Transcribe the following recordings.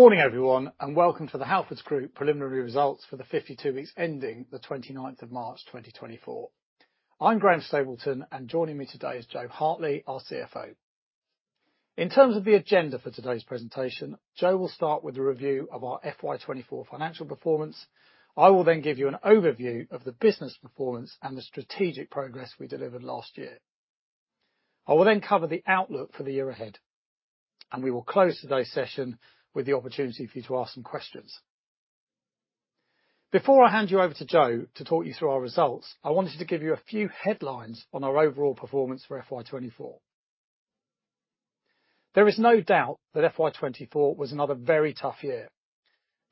Good morning, everyone, and welcome to the Halfords Group preliminary results for the 52 weeks ending the 29th of March 2024. I'm Graham Stapleton, and joining me today is Jo Hartley, our CFO. In terms of the agenda for today's presentation, Jo will start with a review of our FY 2024 financial performance. I will then give you an overview of the business performance and the strategic progress we delivered last year. I will then cover the outlook for the year ahead, and we will close today's session with the opportunity for you to ask some questions. Before I hand you over to Jo to talk you through our results, I wanted to give you a few headlines on our overall performance for FY 2024. There is no doubt that FY 2024 was another very tough year.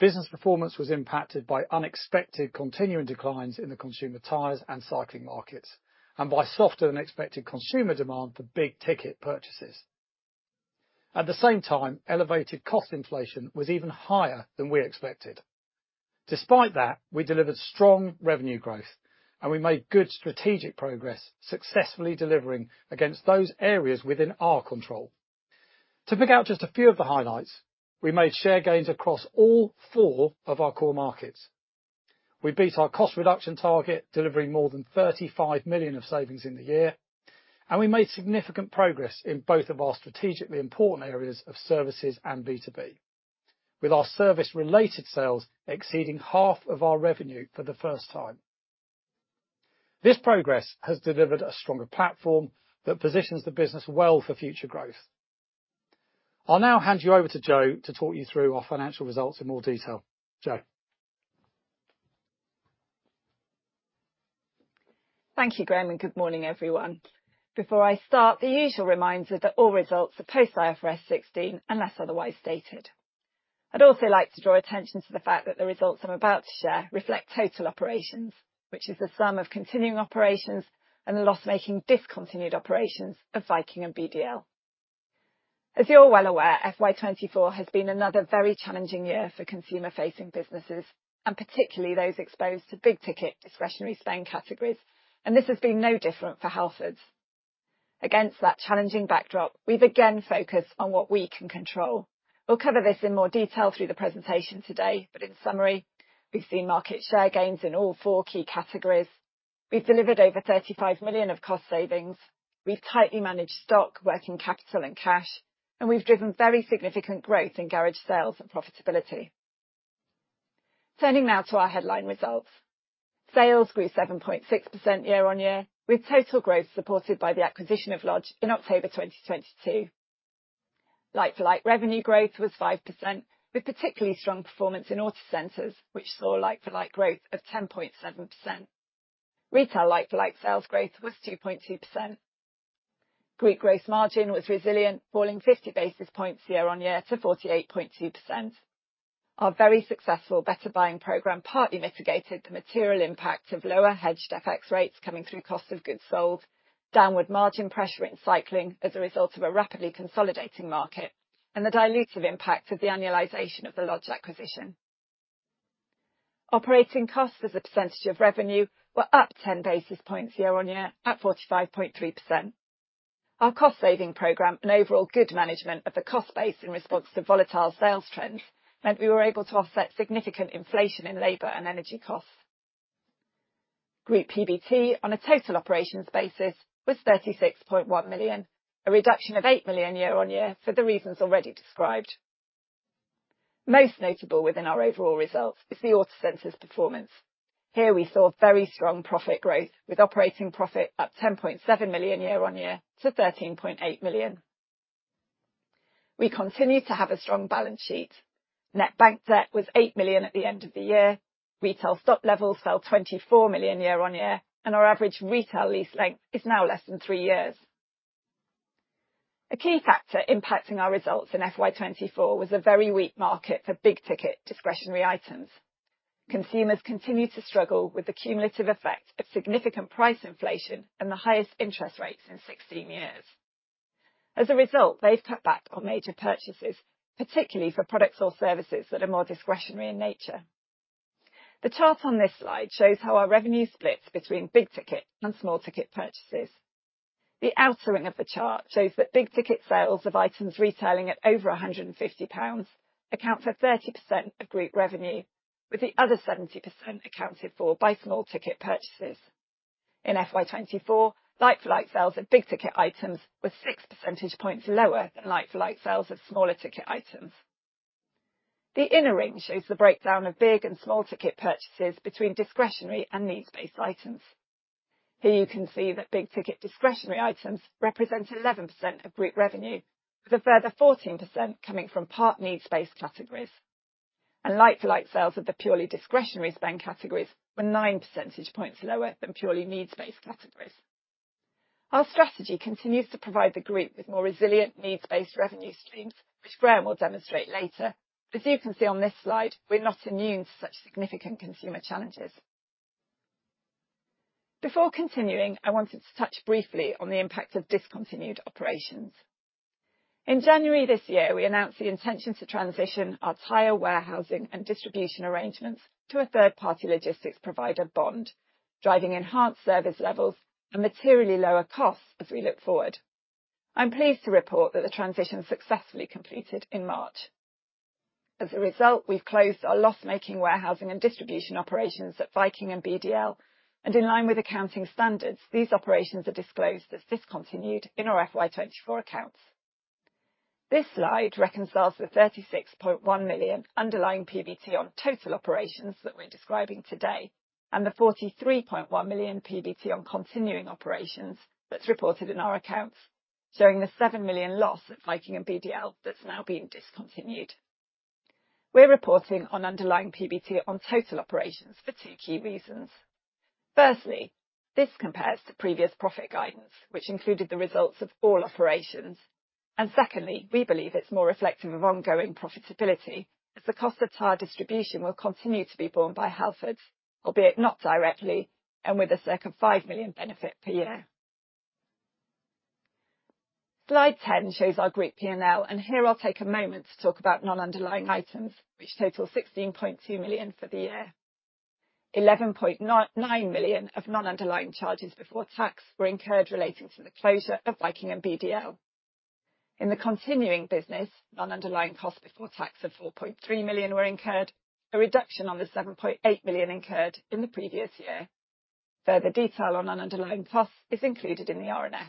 Business performance was impacted by unexpected continuing declines in the consumer tyres and cycling markets, and by softer than expected consumer demand for big-ticket purchases. At the same time, elevated cost inflation was even higher than we expected. Despite that, we delivered strong revenue growth, and we made good strategic progress, successfully delivering against those areas within our control. To pick out just a few of the highlights, we made share gains across all four of our core markets. We beat our cost reduction target, delivering more than 35 million of savings in the year, and we made significant progress in both of our strategically important areas of services and B2B, with our service-related sales exceeding half of our revenue for the first time. This progress has delivered a stronger platform that positions the business well for future growth. I'll now hand you over to Jo to talk you through our financial results in more detail. Jo? Thank you, Graham, and good morning, everyone. Before I start, the usual reminder that all results are post-IFRS 16 unless otherwise stated. I'd also like to draw attention to the fact that the results I'm about to share reflect total operations, which is the sum of continuing operations and the loss-making discontinued operations of Viking and BDL. As you're well aware, FY 2024 has been another very challenging year for consumer-facing businesses, and particularly those exposed to big-ticket discretionary spend categories, and this has been no different for Halfords. Against that challenging backdrop, we've again focused on what we can control. We'll cover this in more detail through the presentation today, but in summary, we've seen market share gains in all four key categories. We've delivered over 35 million of cost savings. We've tightly managed stock, working capital, and cash, and we've driven very significant growth in garage sales and profitability. Turning now to our headline results, sales grew 7.6% year-on-year, with total growth supported by the acquisition of Lodge in October 2022. Like-for-like revenue growth was 5%, with particularly strong performance in Autocentres, which saw like-for-like growth of 10.7%. Retail like-for-like sales growth was 2.2%. Group gross margin was resilient, falling 50 basis points year-on-year to 48.2%. Our very successful better buying program partly mitigated the material impact of lower hedged FX rates coming through cost of goods sold, downward margin pressure in cycling as a result of a rapidly consolidating market, and the dilutive impact of the annualization of the Lodge acquisition. Operating costs as a percentage of revenue were up 10 basis points year-on-year at 45.3%. Our cost saving program and overall good management of the cost base in response to volatile sales trends meant we were able to offset significant inflation in labor and energy costs. Group PBT on a total operations basis was 36.1 million, a reduction of 8 million year-on-year for the reasons already described. Most notable within our overall results is the Autocentres' performance. Here we saw very strong profit growth, with operating profit up 10.7 million year-on-year to 13.8 million. We continue to have a strong balance sheet. Net bank debt was 8 million at the end of the year. Retail stock levels fell 24 million year-on-year, and our average retail lease length is now less than three years. A key factor impacting our results in FY 2024 was a very weak market for big-ticket discretionary items. Consumers continue to struggle with the cumulative effect of significant price inflation and the highest interest rates in 16 years. As a result, they've cut back on major purchases, particularly for products or services that are more discretionary in nature. The chart on this slide shows how our revenue splits between big-ticket and small-ticket purchases. The outer ring of the chart shows that big-ticket sales of items retailing at over 150 pounds account for 30% of group revenue, with the other 70% accounted for by small-ticket purchases. In FY 2024, like-for-like sales of big-ticket items were 6 percentage points lower than like-for-like sales of smaller-ticket items. The inner ring shows the breakdown of big and small-ticket purchases between discretionary and needs-based items. Here you can see that big-ticket discretionary items represent 11% of group revenue, with a further 14% coming from part needs-based categories. Like-for-like sales of the purely discretionary spend categories were 9 percentage points lower than purely needs-based categories. Our strategy continues to provide the group with more resilient needs-based revenue streams, which Graham will demonstrate later, but as you can see on this slide, we're not immune to such significant consumer challenges. Before continuing, I wanted to touch briefly on the impact of discontinued operations. In January this year, we announced the intention to transition our tyre warehousing and distribution arrangements to a third-party logistics provider, Bond, driving enhanced service levels and materially lower costs as we look forward. I'm pleased to report that the transition successfully completed in March. As a result, we've closed our loss-making warehousing and distribution operations at Viking and BDL, and in line with accounting standards, these operations are disclosed as discontinued in our FY 2024 accounts. This slide reconciles the 36.1 million underlying PBT on total operations that we're describing today and the 43.1 million PBT on continuing operations that's reported in our accounts, showing the 7 million loss at Viking and BDL that's now being discontinued. We're reporting on underlying PBT on total operations for two key reasons. Firstly, this compares to previous profit guidance, which included the results of all operations. Secondly, we believe it's more reflective of ongoing profitability, as the cost of tyre distribution will continue to be borne by Halfords, albeit not directly, and with a circa 5 million benefit per year. Slide 10 shows our group P&L, and here I'll take a moment to talk about non-underlying items, which total 16.2 million for the year. 11.9 million of non-underlying charges before tax were incurred relating to the closure of Viking and BDL. In the continuing business, non-underlying costs before tax of 4.3 million were incurred, a reduction on the 7.8 million incurred in the previous year. Further detail on non-underlying costs is included in the RNS.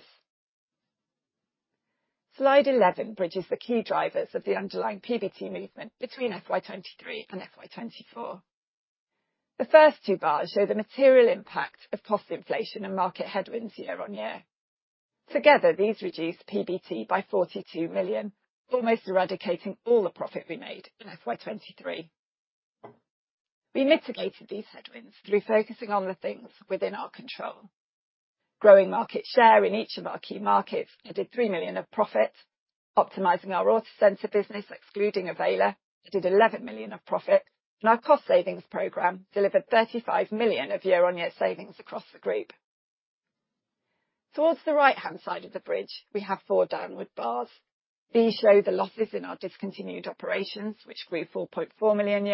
Slide 11 bridges the key drivers of the underlying PBT movement between FY 2023 and FY 2024. The first two bars show the material impact of cost inflation and market headwinds year-on-year. Together, these reduced PBT by 42 million, almost eradicating all the profit we made in FY 2023. We mitigated these headwinds through focusing on the things within our control. Growing market share in each of our key markets added 3 million of profit, optimizing our Autocentres business, excluding Avayler, added 11 million of profit, and our cost savings program delivered 35 million of year-on-year savings across the group. Towards the right-hand side of the bridge, we have four downward bars. These show the losses in our discontinued operations, which grew 4.4 million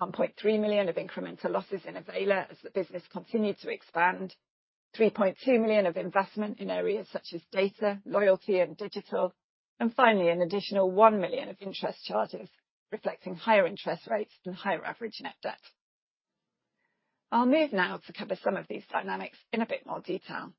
year-on-year, 1.3 million of incremental losses in Avayler as the business continued to expand, 3.2 million of investment in areas such as data, loyalty, and digital, and finally an additional 1 million of interest charges, reflecting higher interest rates and higher average net debt. I'll move now to cover some of these dynamics in a bit more detail.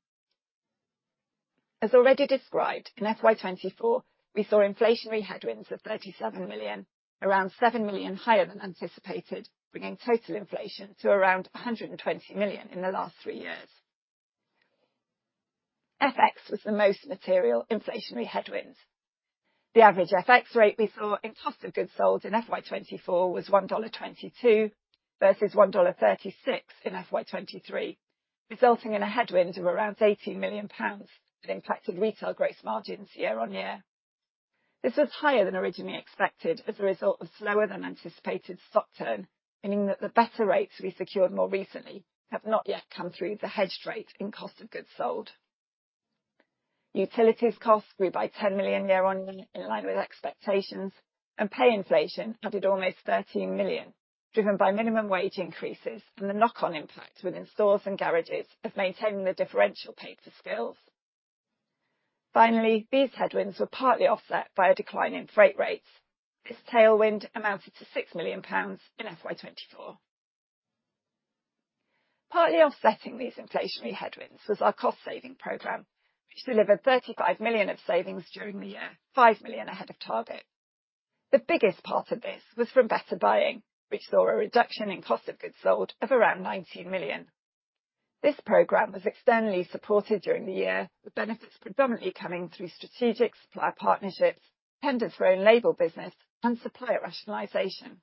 As already described, in FY 2024, we saw inflationary headwinds of 37 million, around 7 million higher than anticipated, bringing total inflation to around 120 million in the last three years. FX was the most material inflationary headwinds. The average FX rate we saw in cost of goods sold in FY 2024 was $1.22 versus $1.36 in FY 2023, resulting in a headwind of around 18 million pounds that impacted retail gross margins year-on-year. This was higher than originally expected as a result of slower than anticipated stock turn, meaning that the better rates we secured more recently have not yet come through the hedged rate in cost of goods sold. Utilities costs grew by 10 million year-over-year in line with expectations, and pay inflation added almost 13 million, driven by minimum wage increases and the knock-on impact within stores and garages of maintaining the differential paid for skills. Finally, these headwinds were partly offset by a decline in freight rates. This tailwind amounted to 6 million pounds in FY 2024. Partly offsetting these inflationary headwinds was our cost saving program, which delivered 35 million of savings during the year, 5 million ahead of target. The biggest part of this was from better buying, which saw a reduction in cost of goods sold of around 19 million. This program was externally supported during the year, with benefits predominantly coming through strategic supplier partnerships, tenders for own label business, and supplier rationalization.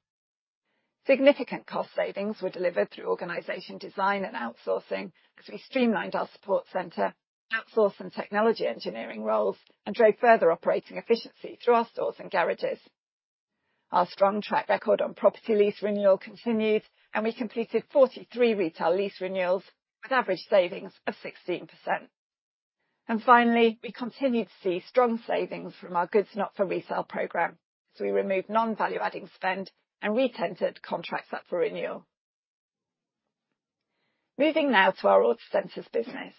Significant cost savings were delivered through organization design and outsourcing, as we streamlined our support center, outsourced and technology engineering roles, and drove further operating efficiency through our stores and garages. Our strong track record on property lease renewal continued, and we completed 43 retail lease renewals with average savings of 16%. And finally, we continued to see strong savings from our goods not for resale program, as we removed non-value-adding spend and re-tendered contracts up for renewal. Moving now to our Autocentres business.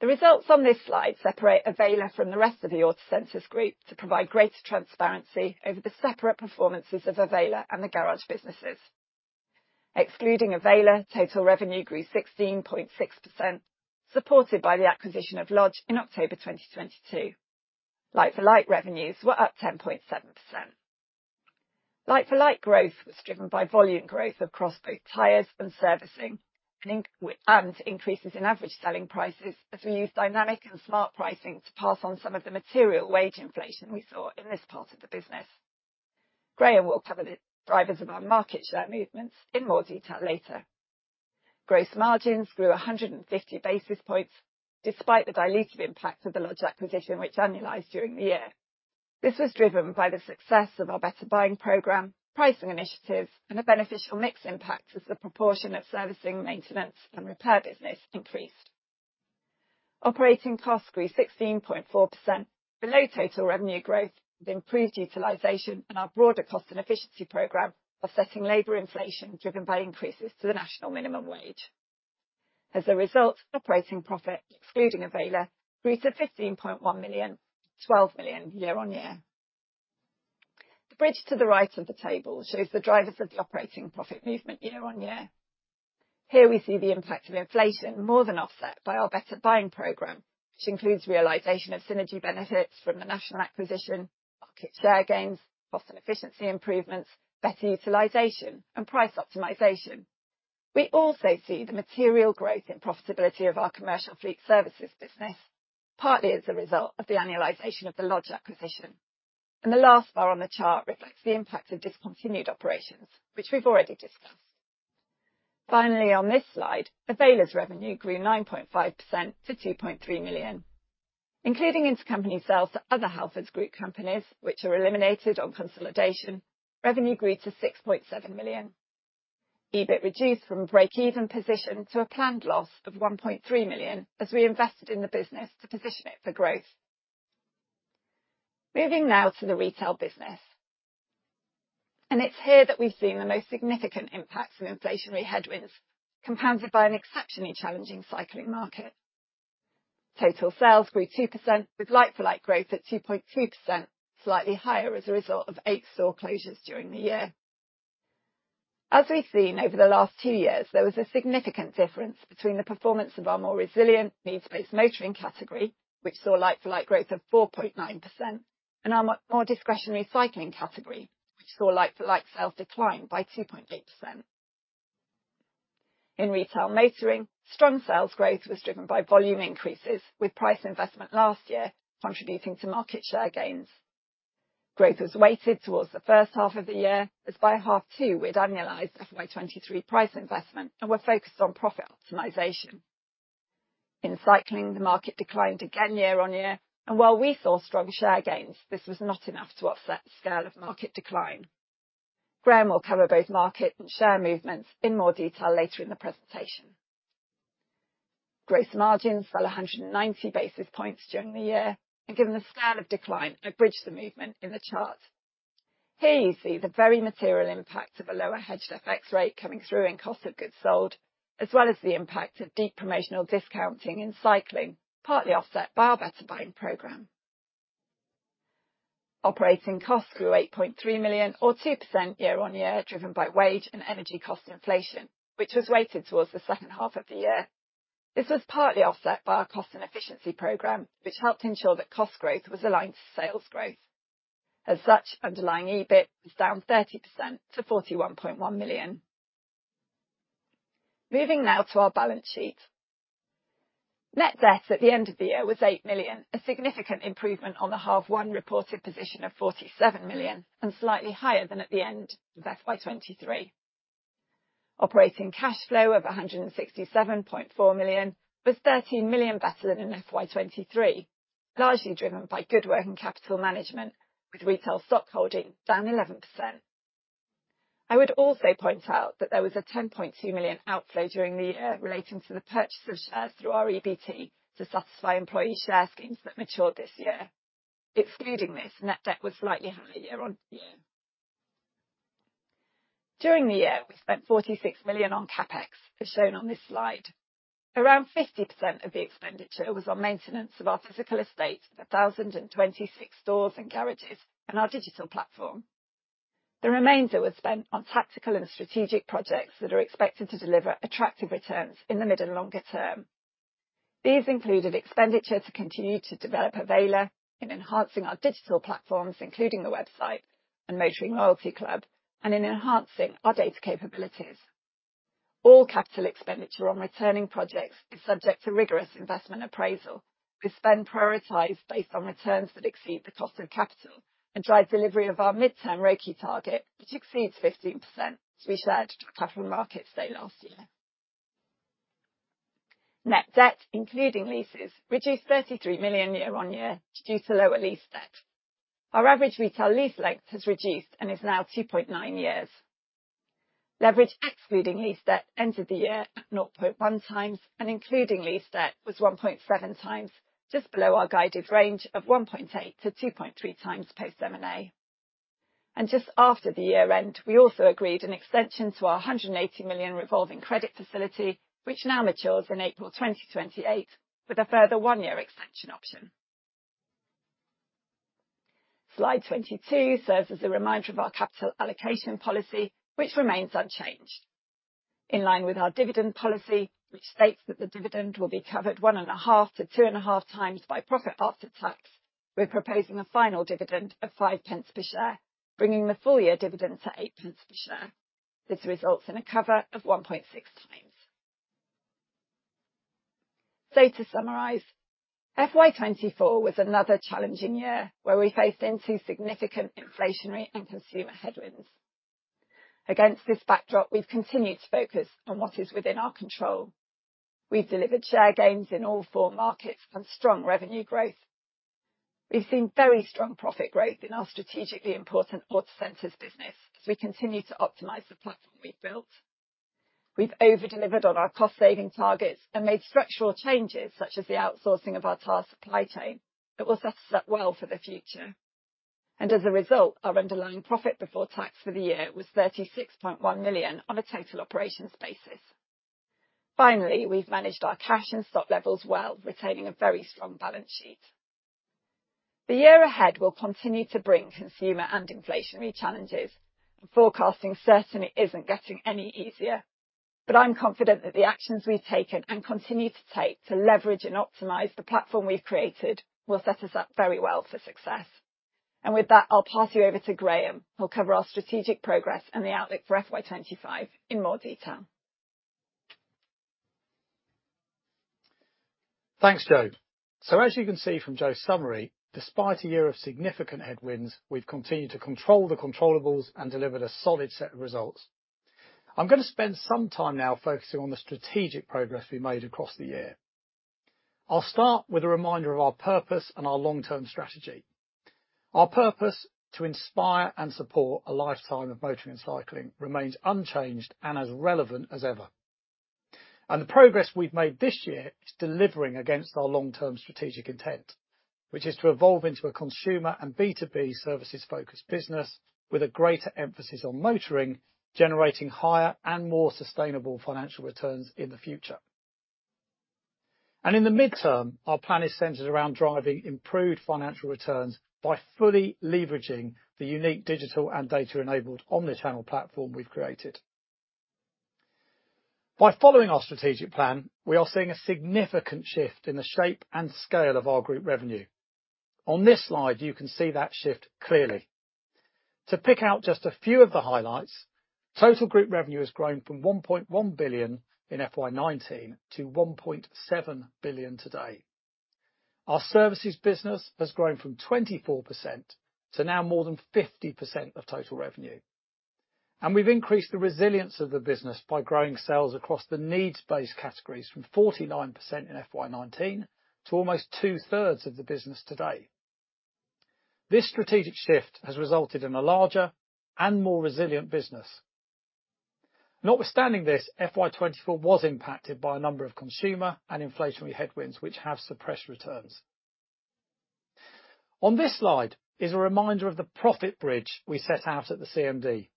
The results on this slide separate Avayler from the rest of the Autocentres group to provide greater transparency over the separate performances of Avayler and the garage businesses. Excluding Avayler, total revenue grew 16.6%, supported by the acquisition of Lodge in October 2022. Like-for-like revenues were up 10.7%. Like-for-like growth was driven by volume growth across both tyres and servicing, and increases in average selling prices, as we used dynamic and smart pricing to pass on some of the material wage inflation we saw in this part of the business. Graham will cover the drivers of our market share movements in more detail later. Gross margins grew 150 basis points despite the dilutive impact of the Lodge acquisition, which annualized during the year. This was driven by the success of our better buying program, pricing initiatives, and a beneficial mix impact as the proportion of servicing, maintenance, and repair business increased. Operating costs grew 16.4%, below total revenue growth, with improved utilization and our broader cost and efficiency program offsetting labor inflation driven by increases to the national minimum wage. As a result, operating profit, excluding Avayler, grew to 15.1 million, 12 million year-on-year. The bridge to the right of the table shows the drivers of the operating profit movement year-on-year. Here we see the impact of inflation more than offset by our better buying program, which includes realization of synergy benefits from the Lodge acquisition, market share gains, cost and efficiency improvements, better utilization, and price optimization. We also see the material growth in profitability of our commercial fleet services business, partly as a result of the annualization of the Lodge acquisition. The last bar on the chart reflects the impact of discontinued operations, which we've already discussed. Finally, on this slide, Avayler's revenue grew 9.5% to 2.3 million. Including intercompany sales to other Halfords Group companies, which are eliminated on consolidation, revenue grew to 6.7 million. EBIT reduced from a break-even position to a planned loss of 1.3 million as we invested in the business to position it for growth. Moving now to the retail business. It's here that we've seen the most significant impacts of inflationary headwinds, compounded by an exceptionally challenging cycling market. Total sales grew 2%, with like-for-like growth at 2.2%, slightly higher as a result of eight store closures during the year. As we've seen over the last two years, there was a significant difference between the performance of our more resilient needs-based motoring category, which saw like-for-like growth of 4.9%, and our more discretionary cycling category, which saw like-for-like sales decline by 2.8%. In retail motoring, strong sales growth was driven by volume increases, with price investment last year contributing to market share gains. Growth was weighted towards the first half of the year, as by half two, we had annualized FY 2023 price investment and were focused on profit optimization. In cycling, the market declined again year-on-year, and while we saw strong share gains, this was not enough to offset the scale of market decline. Graham will cover both market and share movements in more detail later in the presentation. Gross margins fell 190 basis points during the year, and given the scale of decline, I bridged the movement in the chart. Here you see the very material impact of a lower hedged FX rate coming through in cost of goods sold, as well as the impact of deep promotional discounting in cycling, partly offset by our Better Buying program. Operating costs grew 8.3 million, or 2% year-on-year, driven by wage and energy cost inflation, which was weighted towards the second half of the year. This was partly offset by our cost and efficiency program, which helped ensure that cost growth was aligned to sales growth. As such, underlying EBIT was down 30% to 41.1 million. Moving now to our balance sheet. Net debt at the end of the year was 8 million, a significant improvement on the half one reported position of 47 million, and slightly higher than at the end of FY 2023. Operating cash flow of 167.4 million was 13 million better than in FY 2023, largely driven by good working capital management, with retail stock holding down 11%. I would also point out that there was a 10.2 million outflow during the year relating to the purchase of shares through our EBT to satisfy employee share schemes that matured this year. Excluding this, net debt was slightly higher year-on-year. During the year, we spent 46 million on CapEx, as shown on this slide. Around 50% of the expenditure was on maintenance of our physical estate with 1,026 stores and garages and our digital platform. The remainder was spent on tactical and strategic projects that are expected to deliver attractive returns in the mid and longer term. These included expenditure to continue to develop Avayler in enhancing our digital platforms, including the website and Motoring Club, and in enhancing our data capabilities. All capital expenditure on returning projects is subject to rigorous investment appraisal, with spend prioritized based on returns that exceed the cost of capital and drive delivery of our midterm ROIC target, which exceeds 15% to be shared to our Capital Markets Day last year. Net debt, including leases, reduced 33 million year-on-year due to lower lease debt. Our average retail lease length has reduced and is now 2.9 years. Leverage excluding lease debt ended the year at 0.1x, and including lease debt was 1.7x, just below our guided range of 1.8-2.3x post-M&A. Just after the year-end, we also agreed an extension to our 180 million revolving credit facility, which now matures in April 2028, with a further one-year extension option. Slide 22 serves as a reminder of our capital allocation policy, which remains unchanged. In line with our dividend policy, which states that the dividend will be covered 1.5-2.5x by profit after tax, we're proposing a final dividend of 0.05 per share, bringing the full year dividend to 0.08 per share. This results in a cover of 1.6x. To summarize, FY 2024 was another challenging year where we faced two significant inflationary and consumer headwinds. Against this backdrop, we've continued to focus on what is within our control. We've delivered share gains in all four markets and strong revenue growth. We've seen very strong profit growth in our strategically important Autocentres business as we continue to optimize the platform we've built. We've over-delivered on our cost-saving targets and made structural changes, such as the outsourcing of our tyre supply chain, that will set us up well for the future. As a result, our underlying profit before tax for the year was 36.1 million on a total operations basis. Finally, we've managed our cash and stock levels well, retaining a very strong balance sheet. The year ahead will continue to bring consumer and inflationary challenges, and forecasting certainly isn't getting any easier. But I'm confident that the actions we've taken and continue to take to leverage and optimize the platform we've created will set us up very well for success. And with that, I'll pass you over to Graham, who'll cover our strategic progress and the outlook for FY 2025 in more detail. Thanks, Jo. As you can see from Jo's summary, despite a year of significant headwinds, we've continued to control the controllables, and delivered a solid set of results. I'm going to spend some time now focusing on the strategic progress we made across the year. I'll start with a reminder of our purpose and our long-term strategy. Our purpose to inspire and support a lifetime of motoring and cycling remains unchanged and as relevant as ever. The progress we've made this year is delivering against our long-term strategic intent, which is to evolve into a consumer and B2B services-focused business with a greater emphasis on motoring, generating higher and more sustainable financial returns in the future. In the midterm, our plan is centered around driving improved financial returns by fully leveraging the unique digital and data-enabled omnichannel platform we've created. By following our strategic plan, we are seeing a significant shift in the shape and scale of our group revenue. On this slide, you can see that shift clearly. To pick out just a few of the highlights, total group revenue has grown from 1.1 billion in FY 2019 to 1.7 billion today. Our services business has grown from 24% to now more than 50% of total revenue. We've increased the resilience of the business by growing sales across the needs-based categories from 49% in FY 2019 to almost 2/3 of the business today. This strategic shift has resulted in a larger and more resilient business. Notwithstanding this, FY 2024 was impacted by a number of consumer and inflationary headwinds, which have suppressed returns. On this slide is a reminder of the profit bridge we set out at the CMD,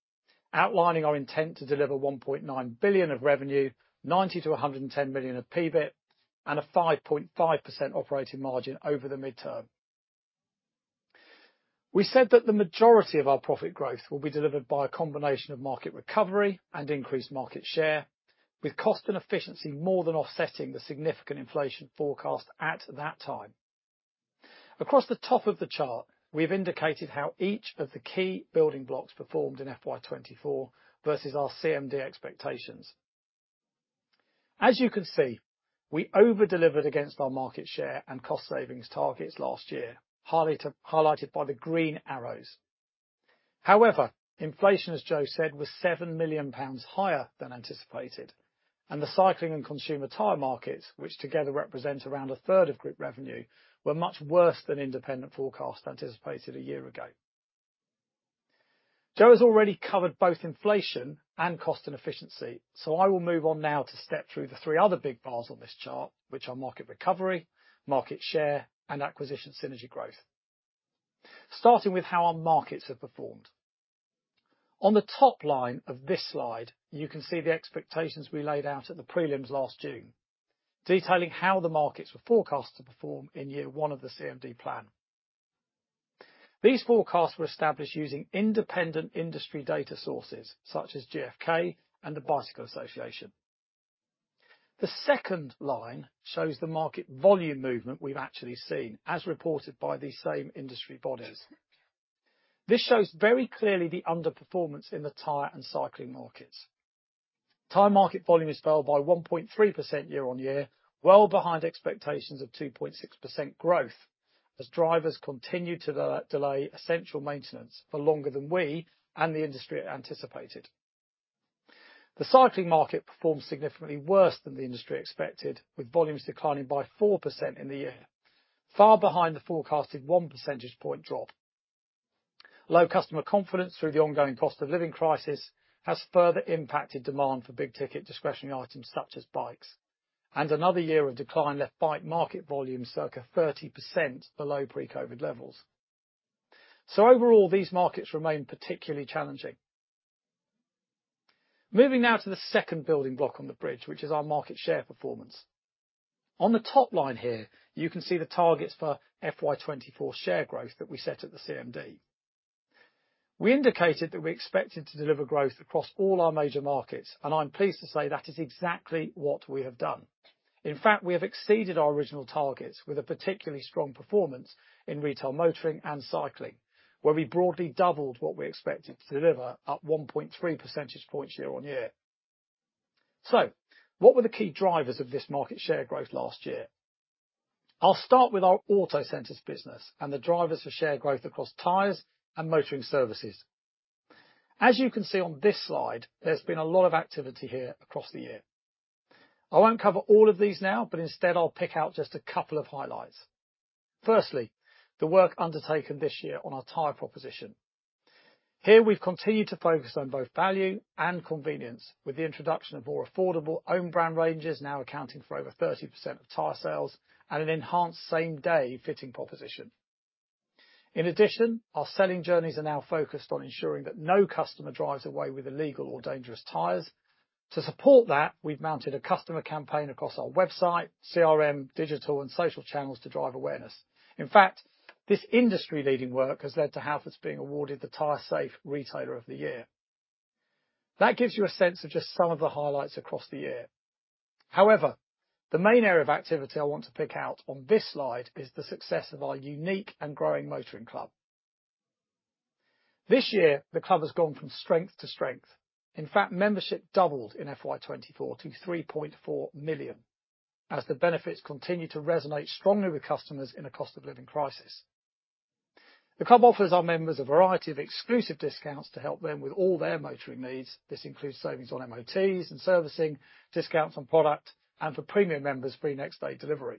outlining our intent to deliver 1.9 billion of revenue, 90 million-110 million of PBIT, and a 5.5% operating margin over the midterm. We said that the majority of our profit growth will be delivered by a combination of market recovery and increased market share, with cost and efficiency more than offsetting the significant inflation forecast at that time. Across the top of the chart, we have indicated how each of the key building blocks performed in FY 2024 versus our CMD expectations. As you can see, we over-delivered against our market share and cost savings targets last year, highlighted by the green arrows. However, inflation, as Jo said, was 7 million pounds higher than anticipated, and the cycling and consumer tyre markets, which together represent around 1/3 of group revenue, were much worse than independent forecasts anticipated a year ago. Jo has already covered both inflation and cost and efficiency, so I will move on now to step through the three other big bars on this chart, which are market recovery, market share, and acquisition synergy growth. Starting with how our markets have performed. On the top line of this slide, you can see the expectations we laid out at the prelims last June, detailing how the markets were forecast to perform in year one of the CMD plan. These forecasts were established using independent industry data sources, such as GfK and the Bicycle Association. The second line shows the market volume movement we've actually seen, as reported by these same industry bodies. This shows very clearly the underperformance in the tyre and cycling markets. Tyre market volume has fallen by 1.3% year-on-year, well behind expectations of 2.6% growth, as drivers continue to delay essential maintenance for longer than we and the industry anticipated. The cycling market performed significantly worse than the industry expected, with volumes declining by 4% in the year, far behind the forecasted one percentage point drop. Low customer confidence through the ongoing cost of living crisis has further impacted demand for big-ticket discretionary items such as bikes. Another year of decline left bike market volume circa 30% below pre-COVID levels. Overall, these markets remain particularly challenging. Moving now to the second building block on the bridge, which is our market share performance. On the top line here, you can see the targets for FY 2024 share growth that we set at the CMD. We indicated that we expected to deliver growth across all our major markets, and I'm pleased to say that is exactly what we have done. In fact, we have exceeded our original targets with a particularly strong performance in retail motoring and cycling, where we broadly doubled what we expected to deliver at 1.3 percentage points year-on-year. What were the key drivers of this market share growth last year? I'll start with our Autocentres business and the drivers for share growth across tyres and motoring services. As you can see on this slide, there's been a lot of activity here across the year. I won't cover all of these now, but instead, I'll pick out just a couple of highlights. Firstly, the work undertaken this year on our tyre proposition. Here, we've continued to focus on both value and convenience with the introduction of more affordable own-brand ranges now accounting for over 30% of tyre sales and an enhanced same-day fitting proposition. In addition, our selling journeys are now focused on ensuring that no customer drives away with illegal or dangerous tyres. To support that, we've mounted a customer campaign across our website, CRM, digital, and social channels to drive awareness. In fact, this industry-leading work has led to Halfords being awarded the TyreSafe Retailer of the Year. That gives you a sense of just some of the highlights across the year. However, the main area of activity I want to pick out on this slide is the success of our unique and growing Motoring Club. This year, the club has gone from strength to strength. In fact, membership doubled in FY 2024 to 3.4 million, as the benefits continue to resonate strongly with customers in a cost-of-living crisis. The club offers our members a variety of exclusive discounts to help them with all their motoring needs. This includes savings on MOTs and servicing, discounts on product, and for premium members, free next-day delivery.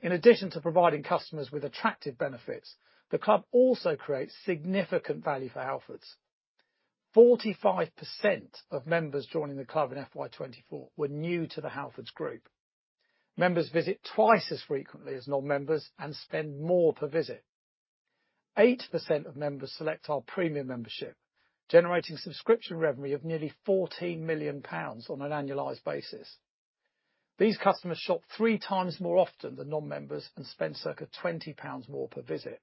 In addition to providing customers with attractive benefits, the club also creates significant value for Halfords. 45% of members joining the club in FY 2024 were new to the Halfords Group. Members visit twice as frequently as non-members and spend more per visit. 8% of members select our premium membership, generating subscription revenue of nearly 14 million pounds on an annualized basis. These customers shop three times more often than non-members and spend circa 20 pounds more per visit.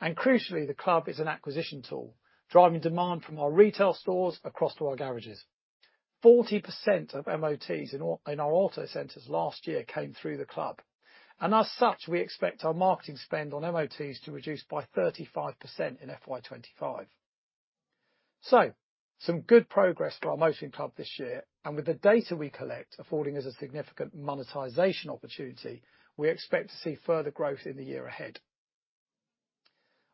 And crucially, the club is an acquisition tool, driving demand from our retail stores across to our garages. 40% of MOTs in our Autocentres last year came through the club. And as such, we expect our marketing spend on MOTs to reduce by 35% in FY 2025. So some good progress for our Motoring Club this year. And with the data we collect affording us a significant monetization opportunity, we expect to see further growth in the year ahead.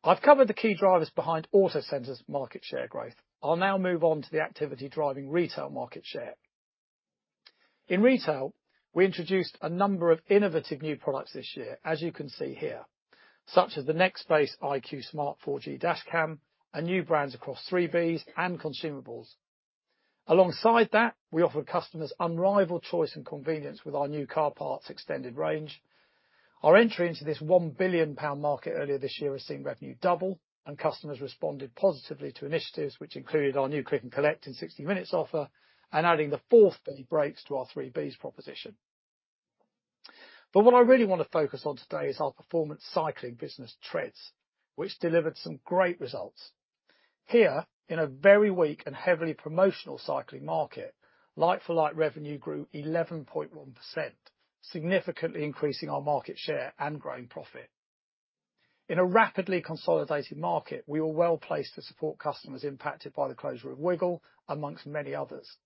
I've covered the key drivers behind Autocentres' market share growth. I'll now move on to the activity driving retail market share. In retail, we introduced a number of innovative new products this year, as you can see here, such as the Nextbase iQ Smart 4G Dash Cam, and new brands across 3Bs and consumables. Alongside that, we offered customers unrivaled choice and convenience with our new car parts extended range. Our entry into this 1 billion pound market earlier this year has seen revenue double, and customers responded positively to initiatives, which included our new click-and-collect in 60 minutes offer and adding the fourth B: brakes to our 3Bs proposition. But what I really want to focus on today is our performance cycling business Tredz, which delivered some great results. Here, in a very weak and heavily promotional cycling market, like-for-like revenue grew 11.1%, significantly increasing our market share and growing profit. In a rapidly consolidating market, we were well placed to support customers impacted by the closure of Wiggle, among many others.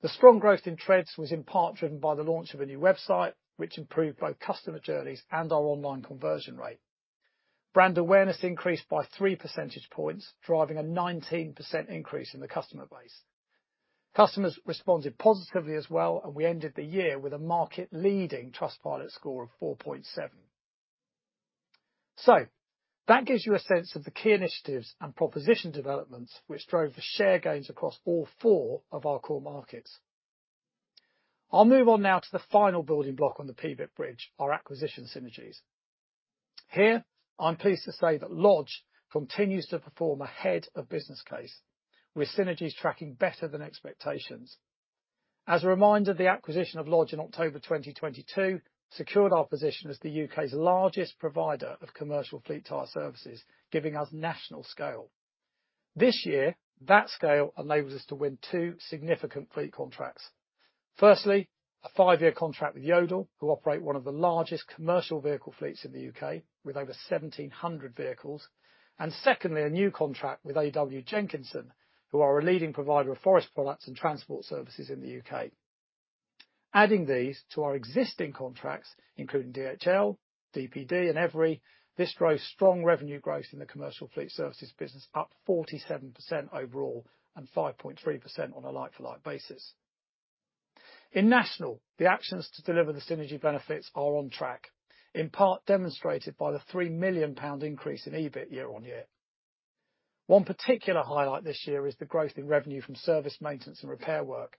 The strong growth in Tredz was in part driven by the launch of a new website, which improved both customer journeys and our online conversion rate. Brand awareness increased by 3 percentage points, driving a 19% increase in the customer base. Customers responded positively as well, and we ended the year with a market-leading Trustpilot score of 4.7. So that gives you a sense of the key initiatives and proposition developments which drove the share gains across all four of our core markets. I'll move on now to the final building block on the EBIT bridge, our acquisition synergies. Here, I'm pleased to say that Lodge continues to perform ahead of business case, with synergies tracking better than expectations. As a reminder, the acquisition of Lodge in October 2022 secured our position as the U.K.'s largest provider of commercial fleet tyre services, giving us national scale. This year, that scale enables us to win two significant fleet contracts. Firstly, a five-year contract with Yodel, who operate one of the largest commercial vehicle fleets in the U.K. with over 1,700 vehicles. Secondly, a new contract with A.W. Jenkinson, who are a leading provider of forest products and transport services in the U.K. Adding these to our existing contracts, including DHL, DPD, and Evri, this drove strong revenue growth in the commercial fleet services business, up 47% overall and 5.3% on a like-for-like basis. In national, the actions to deliver the synergy benefits are on track, in part demonstrated by the 3 million pound increase in EBIT year-on-year. One particular highlight this year is the growth in revenue from service maintenance and repair work.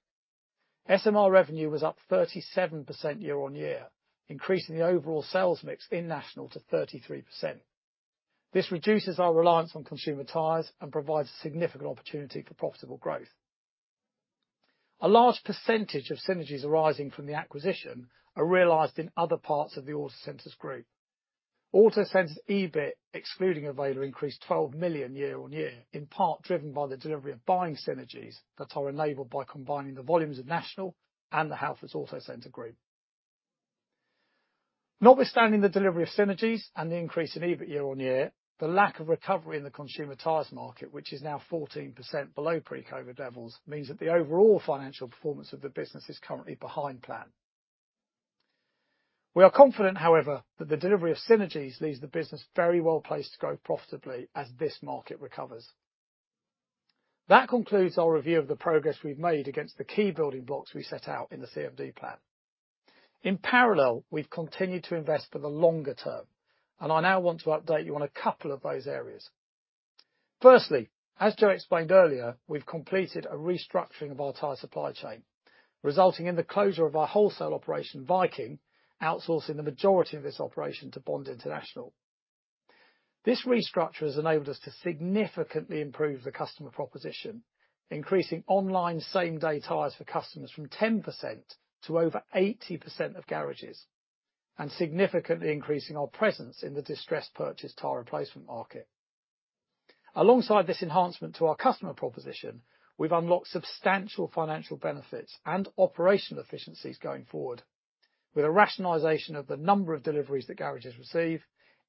SMR revenue was up 37% year-on-year, increasing the overall sales mix in National to 33%. This reduces our reliance on consumer tyres and provides a significant opportunity for profitable growth. A large percentage of synergies arising from the acquisition are realized in other parts of the Autocentres group. Autocentres EBIT, excluding Avayler, increased 12 million year-on-year, in part driven by the delivery of buying synergies that are enabled by combining the volumes of National and the Halfords Autocentres Group. Notwithstanding the delivery of synergies and the increase in EBIT year-on-year, the lack of recovery in the consumer tyres market, which is now 14% below pre-COVID levels, means that the overall financial performance of the business is currently behind plan. We are confident, however, that the delivery of synergies leaves the business very well placed to grow profitably as this market recovers. That concludes our review of the progress we've made against the key building blocks we set out in the CMD plan. In parallel, we've continued to invest for the longer term, and I now want to update you on a couple of those areas. Firstly, as Jo explained earlier, we've completed a restructuring of our tyre supply chain, resulting in the closure of our wholesale operation, Viking, outsourcing the majority of this operation to Bond International. This restructure has enabled us to significantly improve the customer proposition, increasing online same-day tyres for customers from 10% to over 80% of garages, and significantly increasing our presence in the distressed purchase tyre replacement market. Alongside this enhancement to our customer proposition, we've unlocked substantial financial benefits and operational efficiencies going forward, with a rationalization of the number of deliveries that garages receive,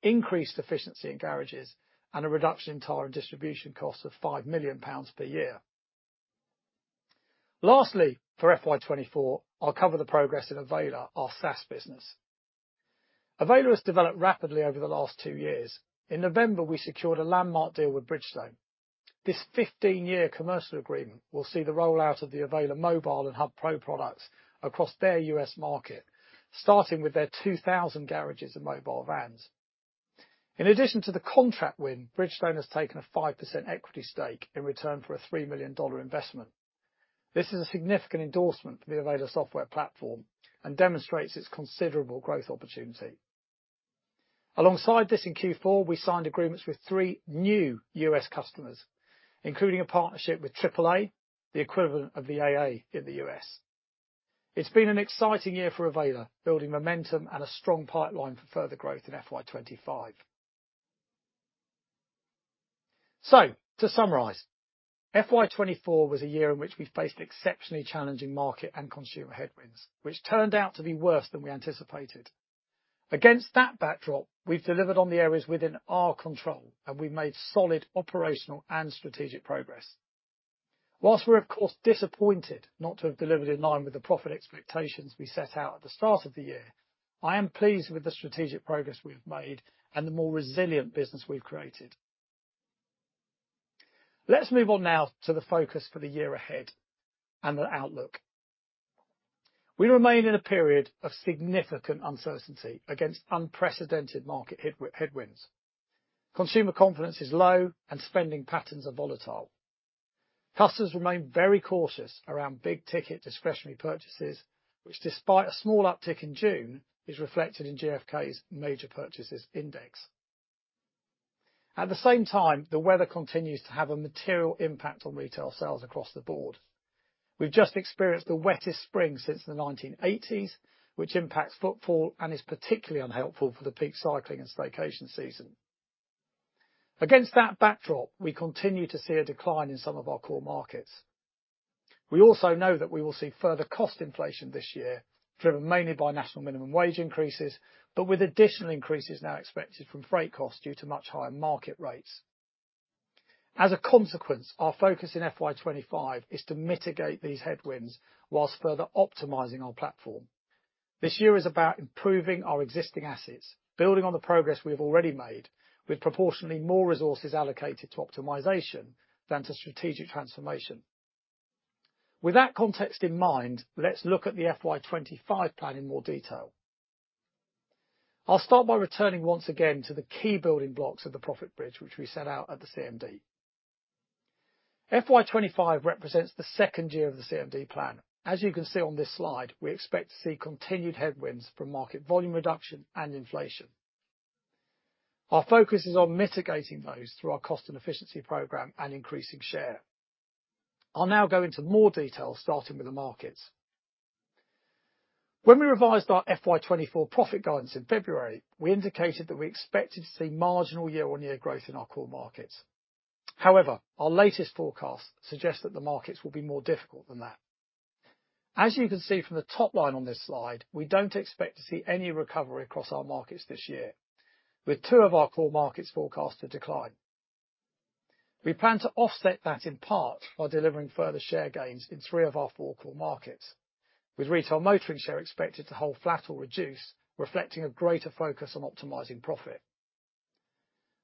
increased efficiency in garages, and a reduction in tyre and distribution costs of 5 million pounds per year. Lastly, for FY 2024, I'll cover the progress in Avayler, our SaaS business. Avayler has developed rapidly over the last two years. In November, we secured a landmark deal with Bridgestone. This 15-year commercial agreement will see the rollout of the Avayler Mobile and Hub Pro products across their U.S. market, starting with their 2,000 garages and mobile vans. In addition to the contract win, Bridgestone has taken a 5% equity stake in return for a $3 million investment. This is a significant endorsement for the Avayler software platform and demonstrates its considerable growth opportunity. Alongside this in Q4, we signed agreements with 3 new U.S. customers, including a partnership with AAA, the equivalent of the AA in the U.S. It's been an exciting year for Avayler, building momentum and a strong pipeline for further growth in FY 2025. So, to summarize, FY 2024 was a year in which we faced exceptionally challenging market and consumer headwinds, which turned out to be worse than we anticipated. Against that backdrop, we've delivered on the areas within our control, and we've made solid operational and strategic progress. Whilst we're, of course, disappointed not to have delivered in line with the profit expectations we set out at the start of the year, I am pleased with the strategic progress we have made and the more resilient business we've created. Let's move on now to the focus for the year ahead and the outlook. We remain in a period of significant uncertainty against unprecedented market headwinds. Consumer confidence is low, and spending patterns are volatile. Customers remain very cautious around big-ticket discretionary purchases, which, despite a small uptick in June, is reflected in GfK's major purchases index. At the same time, the weather continues to have a material impact on retail sales across the board. We've just experienced the wettest spring since the 1980s, which impacts footfall and is particularly unhelpful for the peak cycling and staycation season. Against that backdrop, we continue to see a decline in some of our core markets. We also know that we will see further cost inflation this year, driven mainly by national minimum wage increases, but with additional increases now expected from freight costs due to much higher market rates. As a consequence, our focus in FY 2025 is to mitigate these headwinds while further optimizing our platform. This year is about improving our existing assets, building on the progress we have already made, with proportionately more resources allocated to optimization than to strategic transformation. With that context in mind, let's look at the FY 2025 plan in more detail. I'll start by returning once again to the key building blocks of the profit bridge, which we set out at the CMD. FY 2025 represents the second year of the CMD plan. As you can see on this slide, we expect to see continued headwinds from market volume reduction and inflation. Our focus is on mitigating those through our cost and efficiency program and increasing share. I'll now go into more detail, starting with the markets. When we revised our FY 2024 profit guidance in February, we indicated that we expected to see marginal year-on-year growth in our core markets. However, our latest forecasts suggest that the markets will be more difficult than that. As you can see from the top line on this slide, we don't expect to see any recovery across our markets this year, with two of our core markets forecast to decline. We plan to offset that in part by delivering further share gains in three of our four core markets, with retail motoring share expected to hold flat or reduce, reflecting a greater focus on optimizing profit.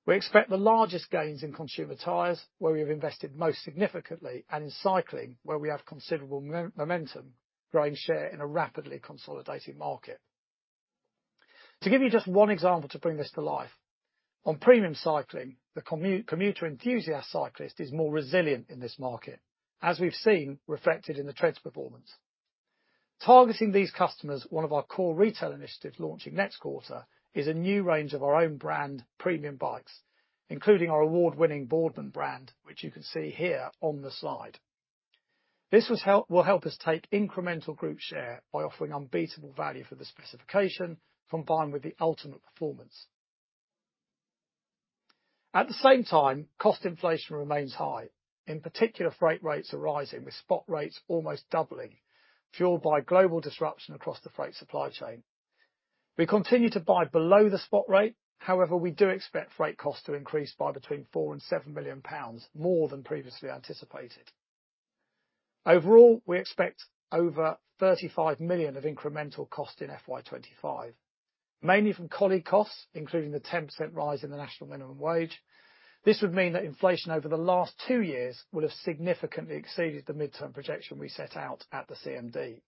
We expect the largest gains in consumer tyres, where we have invested most significantly, and in cycling, where we have considerable momentum, growing share in a rapidly consolidating market. To give you just one example to bring this to life, on premium cycling, the commuter enthusiast cyclist is more resilient in this market, as we've seen reflected in the Tredz performance. Targeting these customers, one of our core retail initiatives launching next quarter is a new range of our own brand premium bikes, including our award-winning Boardman brand, which you can see here on the slide. This will help us take incremental group share by offering unbeatable value for the specification, combined with the ultimate performance. At the same time, cost inflation remains high, in particular freight rates arising with spot rates almost doubling, fueled by global disruption across the freight supply chain. We continue to buy below the spot rate, however, we do expect freight costs to increase by between 4 million and 7 million pounds more than previously anticipated. Overall, we expect over 35 million of incremental cost in FY 2025, mainly from colleague costs, including the 10% rise in the national minimum wage. This would mean that inflation over the last 2 years will have significantly exceeded the midterm projection we set out at the CMD.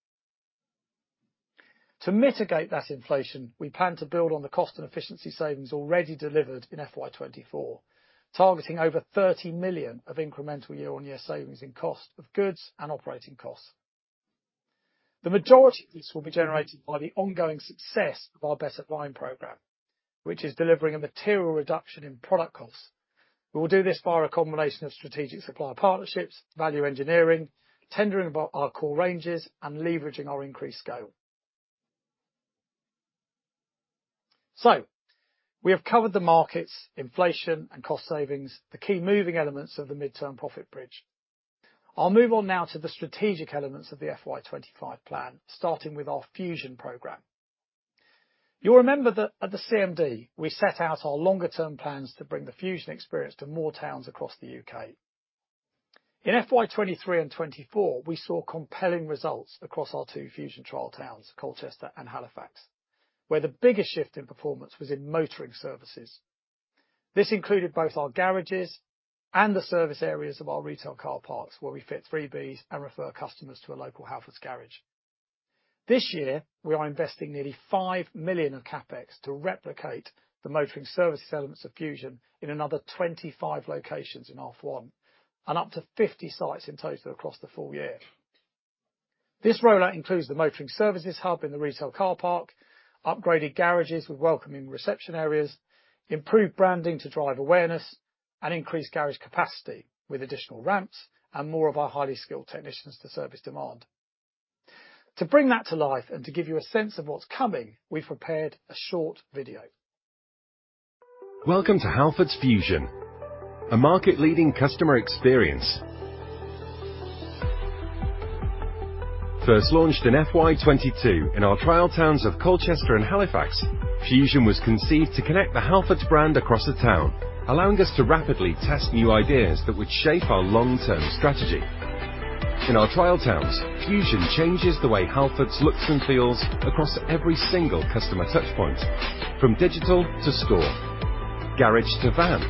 To mitigate that inflation, we plan to build on the cost and efficiency savings already delivered in FY 2024, targeting over 30 million of incremental year-on-year savings in cost of goods and operating costs. The majority of this will be generated by the ongoing success of our Better Buying program, which is delivering a material reduction in product costs. We will do this via a combination of strategic supplier partnerships, value engineering, tendering our core ranges, and leveraging our increased scale. So, we have covered the markets, inflation, and cost savings, the key moving elements of the midterm profit bridge. I'll move on now to the strategic elements of the FY 2025 plan, starting with our Fusion program. You'll remember that at the CMD, we set out our longer-term plans to bring the Fusion experience to more towns across the U.K. In FY 2023 and 2024, we saw compelling results across our two Fusion trial towns, Colchester and Halifax, where the biggest shift in performance was in motoring services. This included both our garages and the service areas of our retail car parks, where we fit 3Bs and refer customers to a local Halfords garage. This year, we are investing nearly 5 million of CapEx to replicate the motoring services elements of Fusion in another 25 locations in half one and up to 50 sites in total across the full year. This rollout includes the Motoring Services Hub in the retail car park, upgraded garages with welcoming reception areas, improved branding to drive awareness, and increased garage capacity with additional ramps and more of our highly skilled technicians to service demand. To bring that to life and to give you a sense of what's coming, we've prepared a short video. Welcome to Halfords Fusion, a market-leading customer experience. First launched in FY 2022 in our trial towns of Colchester and Halifax, Fusion was conceived to connect the Halfords brand across a town, allowing us to rapidly test new ideas that would shape our long-term strategy. In our trial towns, Fusion changes the way Halfords looks and feels across every single customer touchpoint, from digital to store, garage to van.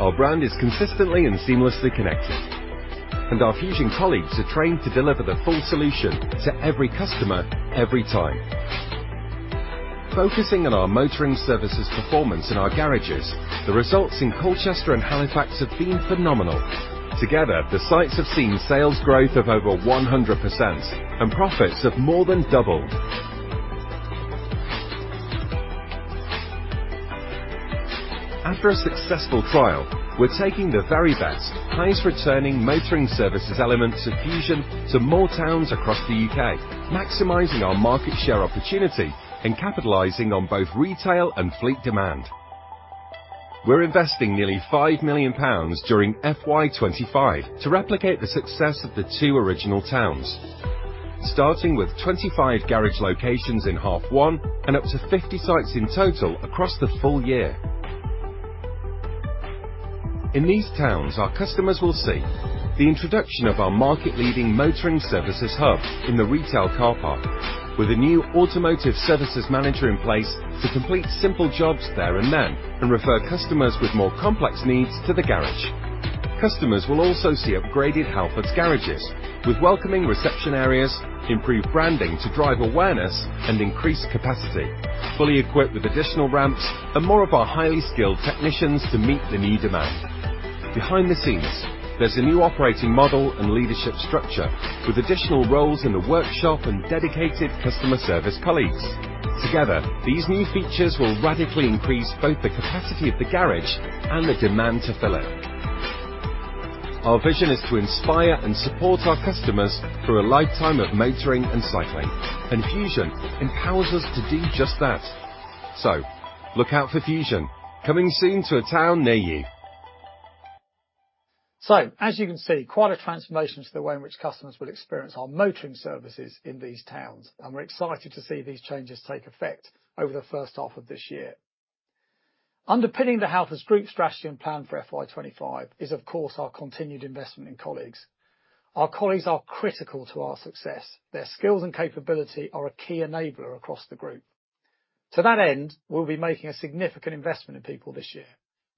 Our brand is consistently and seamlessly connected, and our Fusion colleagues are trained to deliver the full solution to every customer, every time. Focusing on our motoring services performance in our garages, the results in Colchester and Halifax have been phenomenal. Together, the sites have seen sales growth of over 100% and profits have more than doubled. After a successful trial, we're taking the very best, highest returning motoring services elements of Fusion to more towns across the U.K., maximizing our market share opportunity and capitalizing on both retail and fleet demand. We're investing nearly 5 million pounds during FY 2025 to replicate the success of the two original towns, starting with 25 garage locations in half one and up to 50 sites in total across the full year. In these towns, our customers will see the introduction of our market-leading Motoring Services Hub in the retail car park, with a new automotive services manager in place to complete simple jobs there and then and refer customers with more complex needs to the garage. Customers will also see upgraded Halfords garages with welcoming reception areas, improved branding to drive awareness and increased capacity, fully equipped with additional ramps and more of our highly skilled technicians to meet the new demand. Behind the scenes, there's a new operating model and leadership structure with additional roles in the workshop and dedicated customer service colleagues. Together, these new features will radically increase both the capacity of the garage and the demand to fill it. Our vision is to inspire and support our customers through a lifetime of motoring and cycling, and Fusion empowers us to do just that. So, look out for Fusion coming soon to a town near you. So, as you can see, quite a transformation to the way in which customers will experience our motoring services in these towns, and we're excited to see these changes take effect over the first half of this year. Underpinning the Halfords Group strategy and plan for FY 2025 is, of course, our continued investment in colleagues. Our colleagues are critical to our success. Their skills and capability are a key enabler across the group. To that end, we'll be making a significant investment in people this year,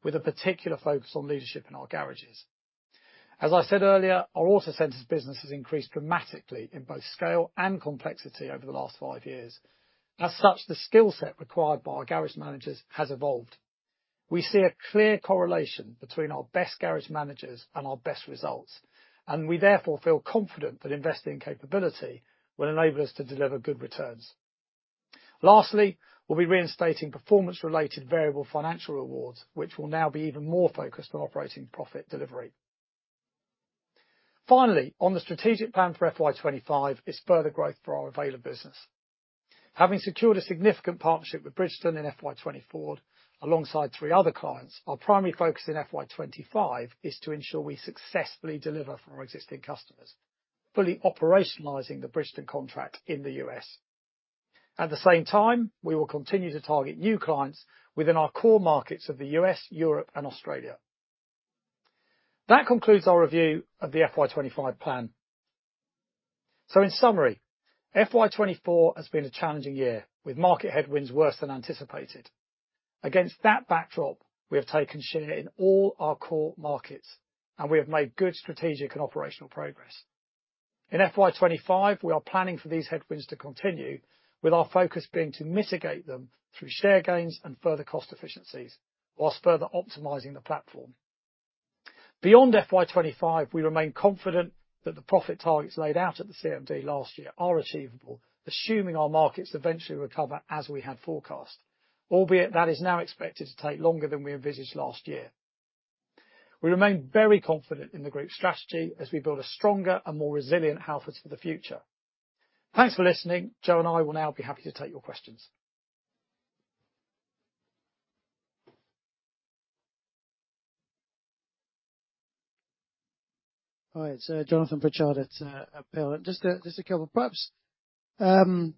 with a particular focus on leadership in our garages. As I said earlier, our Autocentres business has increased dramatically in both scale and complexity over the last 5 years. As such, the skill set required by our garage managers has evolved. We see a clear correlation between our best garage managers and our best results, and we therefore feel confident that investing in capability will enable us to deliver good returns. Lastly, we'll be reinstating performance-related variable financial rewards, which will now be even more focused on operating profit delivery. Finally, on the strategic plan for FY 2025 is further growth for our Avayler business. Having secured a significant partnership with Bridgestone in FY 2024 alongside three other clients, our primary focus in FY 2025 is to ensure we successfully deliver from our existing customers, fully operationalizing the Bridgestone contract in the U.S. At the same time, we will continue to target new clients within our core markets of the U.S., Europe, and Australia. That concludes our review of the FY 2025 plan. So, in summary, FY 2024 has been a challenging year with market headwinds worse than anticipated. Against that backdrop, we have taken share in all our core markets, and we have made good strategic and operational progress. In FY 2025, we are planning for these headwinds to continue, with our focus being to mitigate them through share gains and further cost efficiencies whilst further optimizing the platform. Beyond FY 2025, we remain confident that the profit targets laid out at the CMD last year are achievable, assuming our markets eventually recover as we had forecast, albeit that is now expected to take longer than we envisaged last year. We remain very confident in the group strategy as we build a stronger and more resilient Halfords for the future. Thanks for listening. Jo and I will now be happy to take your questions. All right, so Jonathan Pritchard at Peel Hunt. Just a couple of perhaps on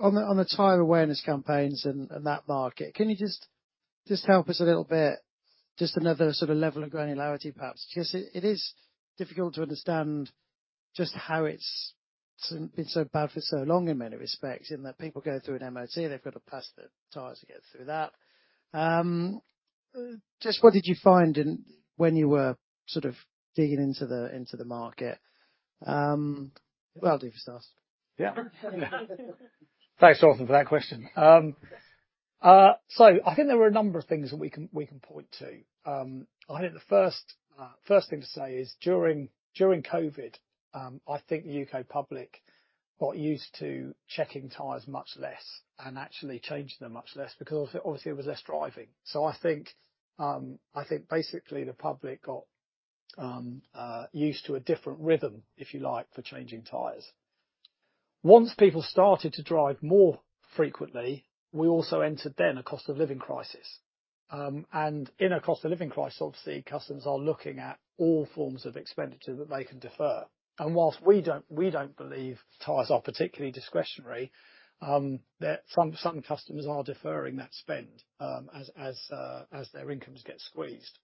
the tyre awareness campaigns and that market. Can you just help us a little bit? Just another sort of level of granularity, perhaps. Just it is difficult to understand just how it's been so bad for so long in many respects, in that people go through an MOT, they've got to pass the tyres to get through that. Just what did you find when you were sort of digging into the market? Well, I'll do it first. Yeah. Thanks, Jonathan, for that question. So, I think there were a number of things that we can point to. I think the first thing to say is during COVID, I think the U.K. public got used to checking tyres much less and actually changing them much less because obviously there was less driving. So, I think basically the public got used to a different rhythm, if you like, for changing tyres. Once people started to drive more frequently, we also entered then a cost of living crisis. In a cost of living crisis, obviously customers are looking at all forms of expenditure that they can defer. Whilst we don't believe tyres are particularly discretionary, some customers are deferring that spend as their incomes get squeezed.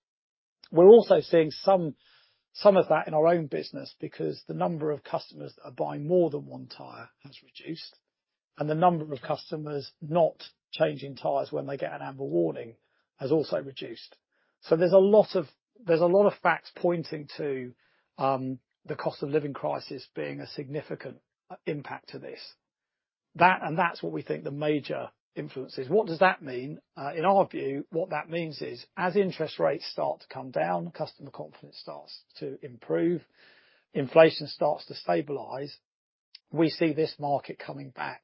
We're also seeing some of that in our own business because the number of customers that are buying more than one tyre has reduced, and the number of customers not changing tyres when they get an amber warning has also reduced. So, there's a lot of facts pointing to the cost of living crisis being a significant impact to this. That's what we think the major influence is. What does that mean? In our view, what that means is as interest rates start to come down, customer confidence starts to improve, inflation starts to stabilize, we see this market coming back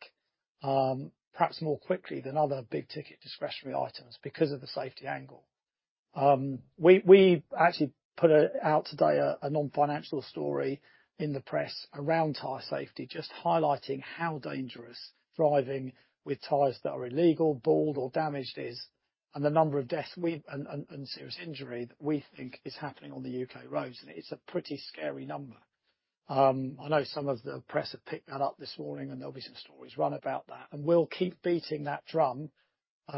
perhaps more quickly than other big-ticket discretionary items because of the safety angle. We actually put out today a non-financial story in the press around tyre safety, just highlighting how dangerous driving with tyres that are illegal, bald, or damaged is, and the number of deaths and serious injury that we think is happening on the U.K. roads. It's a pretty scary number. I know some of the press have picked that up this morning, and there'll be some stories run about that. We'll keep beating that drum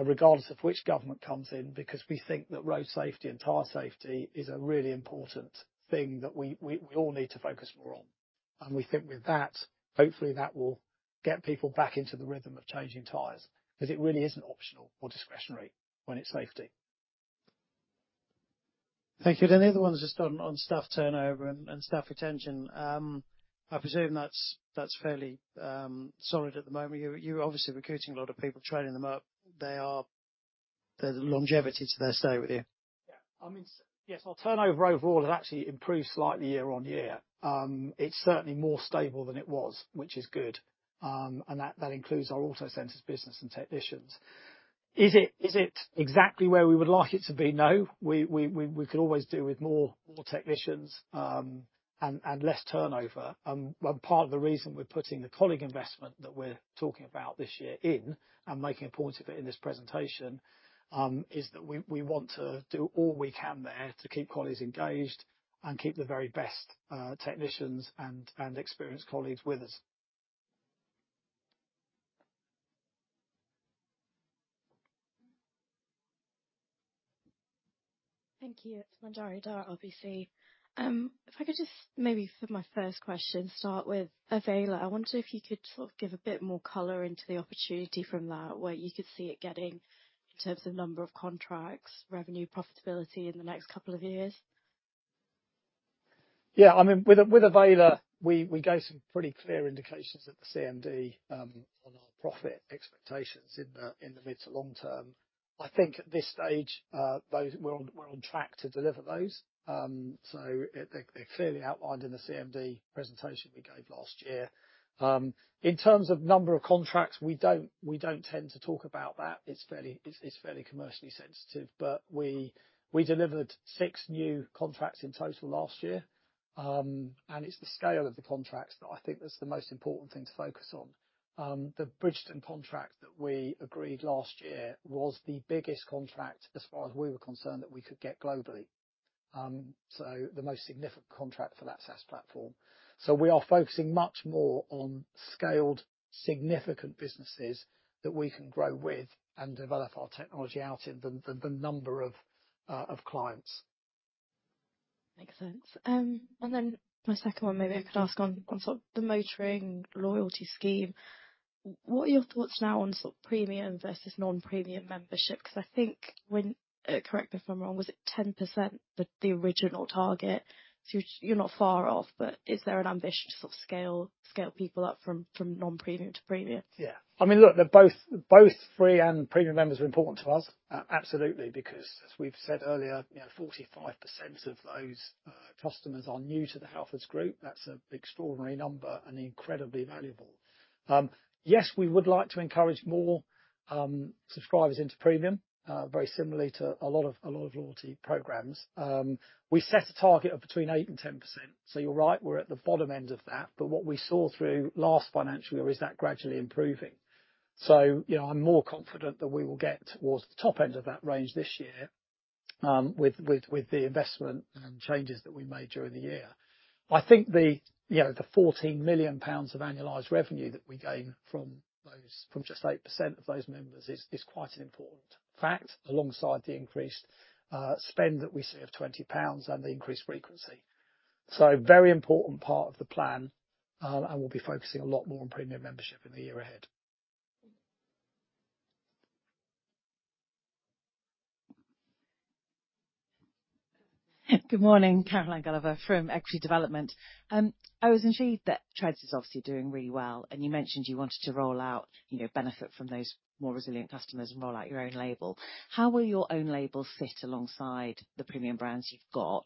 regardless of which government comes in because we think that road safety and tyre safety is a really important thing that we all need to focus more on. We think with that, hopefully that will get people back into the rhythm of changing tyres because it really isn't optional or discretionary when it's safety. Thank you. Any other ones just on staff turnover and staff retention? I presume that's fairly solid at the moment. You're obviously recruiting a lot of people, training them up. There's a longevity to their stay with you. Yeah. I mean, yes, our turnover overall has actually improved slightly year-over-year. It's certainly more stable than it was, which is good. And that includes our Autocentres business and technicians. Is it exactly where we would like it to be? No. We could always do with more technicians and less turnover. And part of the reason we're putting the colleague investment that we're talking about this year in and making a point of it in this presentation is that we want to do all we can there to keep colleagues engaged and keep the very best technicians and experienced colleagues with us. Thank you. It's Manjari Dhar, obviously. If I could just maybe for my first question, start with Avayler. I wonder if you could sort of give a bit more color into the opportunity from that, where you could see it getting in terms of number of contracts, revenue, profitability in the next couple of years. Yeah. I mean, with Avayler, we gave some pretty clear indications at the CMD on our profit expectations in the mid to long term. I think at this stage, we're on track to deliver those. So, they're clearly outlined in the CMD presentation we gave last year. In terms of number of contracts, we don't tend to talk about that. It's fairly commercially sensitive, but we delivered six new contracts in total last year. And it's the scale of the contracts that I think that's the most important thing to focus on. The Bridgestone contract that we agreed last year was the biggest contract as far as we were concerned that we could get globally. So, the most significant contract for that SaaS platform. So, we are focusing much more on scaled significant businesses that we can grow with and develop our technology out in than the number of clients. Makes sense. And then my second one, maybe I could ask on sort of the motoring loyalty scheme. What are your thoughts now on sort of premium versus non-premium membership? Because I think, correct me if I'm wrong, was it 10% the original target? So, you're not far off, but is there an ambition to sort of scale people up from non-premium to premium? Yeah. I mean, look, both free and premium members are important to us. Absolutely. Because as we've said earlier, 45% of those customers are new to the Halfords Group. That's an extraordinary number and incredibly valuable. Yes, we would like to encourage more subscribers into premium, very similarly to a lot of loyalty programs. We set a target of between 8%-10%. So, you're right, we're at the bottom end of that. But what we saw through last financial year is that gradually improving. So, I'm more confident that we will get towards the top end of that range this year with the investment and changes that we made during the year. I think the 14 million pounds of annualized revenue that we gain from just 8% of those members is quite an important fact, alongside the increased spend that we see of 20 pounds and the increased frequency. So, very important part of the plan, and we'll be focusing a lot more on premium membership in the year ahead. Good morning, Caroline Gulliver from Equity Development. I was intrigued that Tredz is obviously doing really well, and you mentioned you wanted to roll out, benefit from those more resilient customers and roll out your own label. How will your own label fit alongside the premium brands you've got?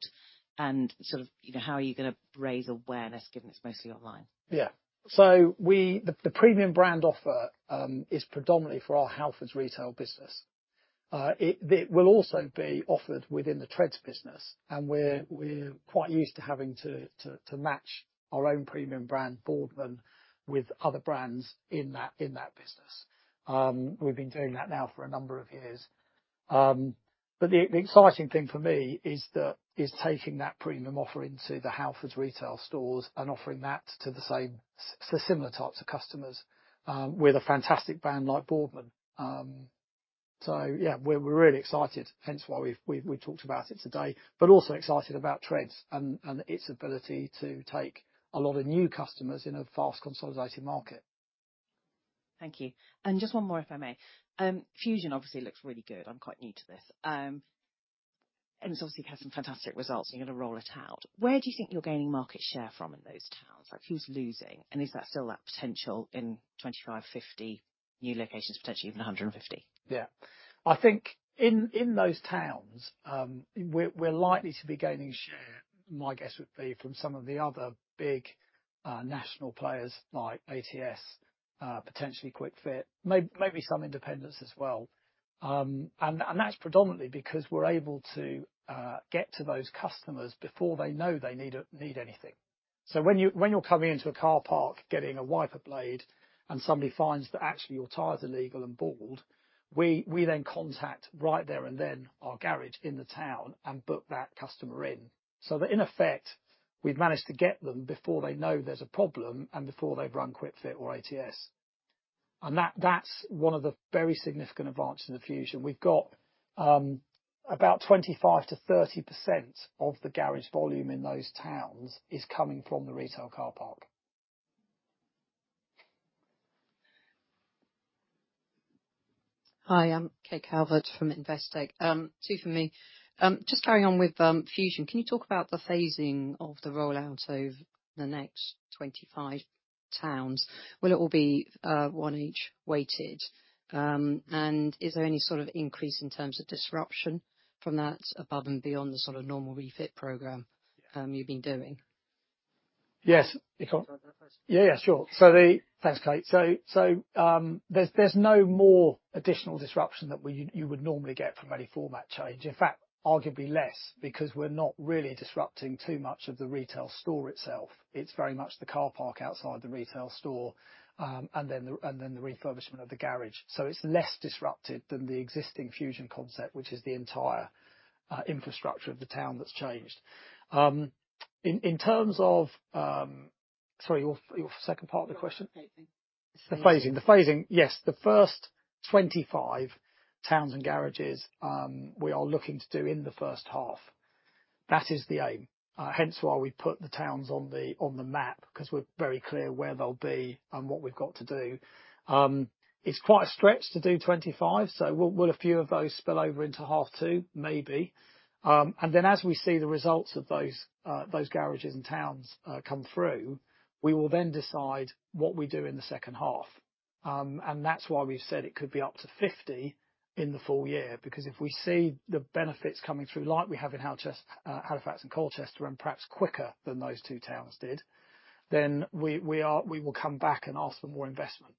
And sort of how are you going to raise awareness given it's mostly online? Yeah. So, the premium brand offer is predominantly for our Halfords retail business. It will also be offered within the Tredz business, and we're quite used to having to match our own premium brand, Boardman, with other brands in that business. We've been doing that now for a number of years. But the exciting thing for me is taking that premium offer into the Halfords retail stores and offering that to the same similar types of customers with a fantastic brand like Boardman. So, yeah, we're really excited, hence why we've talked about it today, but also excited about Tredz and its ability to take a lot of new customers in a fast consolidating market. Thank you. Just one more, if I may. Fusion obviously looks really good. I'm quite new to this. It's obviously had some fantastic results, and you're going to roll it out. Where do you think you're gaining market share from in those towns? Who's losing? Is that still that potential in 25, 50 new locations, potentially even 150? Yeah. I think in those towns, we're likely to be gaining share, my guess would be, from some of the other big national players like ATS, potentially Kwik Fit, maybe some independents as well. And that's predominantly because we're able to get to those customers before they know they need anything. So, when you're coming into a car park getting a wiper blade and somebody finds that actually your tyres are legal and bald, we then contact right there and then our garage in the town and book that customer in. So, in effect, we've managed to get them before they know there's a problem and before they've run Kwik Fit or ATS. And that's one of the very significant advances in the Fusion. We've got about 25%-30% of the garage volume in those towns is coming from the retail car park. Hi, I'm Kate Calvert from Investec. Two from me. Just carrying on with Fusion, can you talk about the phasing of the rollout of the next 25 towns? Will it all be one each weighted? And is there any sort of increase in terms of disruption from that above and beyond the sort of normal refit program you've been doing? Yes. Yeah, yeah, sure. Thanks, Kate. So, there's no more additional disruption that you would normally get from any format change. In fact, arguably less because we're not really disrupting too much of the retail store itself. It's very much the car park outside the retail store and then the refurbishment of the garage. So, it's less disrupted than the existing Fusion concept, which is the entire infrastructure of the town that's changed. In terms of, sorry, your second part of the question? The phasing. The phasing, yes. The first 25 towns and garages we are looking to do in the first half. That is the aim. Hence why we put the towns on the map because we're very clear where they'll be and what we've got to do. It's quite a stretch to do 25, so will a few of those spill over into half two, maybe? And then, as we see the results of those garages and towns come through, we will then decide what we do in the second half. That's why we've said it could be up to 50 in the full year, because if we see the benefits coming through, like we have in Halifax and Colchester, and perhaps quicker than those two towns did, then we will come back and ask for more investment.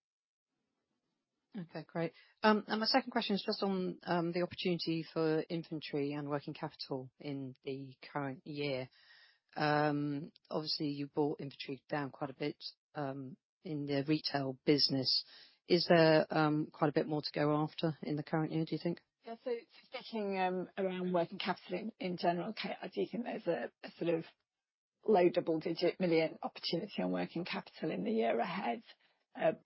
Okay, great. And my second question is just on the opportunity for inventory and working capital in the current year. Obviously, you've brought inventory down quite a bit in the retail business. Is there quite a bit more to go after in the current year, do you think? Yeah. So, thinking around working capital in general, Kate, I do think there's a sort of low double-digit million opportunity on working capital in the year ahead,